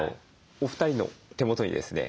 お二人の手元にですね